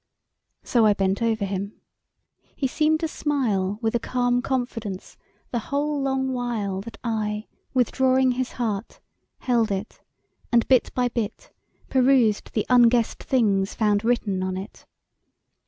So I bent over him. He seemed to smile With a calm confidence the whole long while That I, withdrawing his heart, held it and, bit by bit, Perused the unguessed things found written on it.